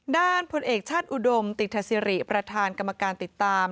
พลเอกชาติอุดมติธสิริประธานกรรมการติดตาม